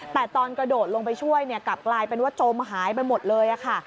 แต่ตอนกระโดดลงไปช่วยกลับกลายเป็นว่าจมหายไปหมดเลยค่ะ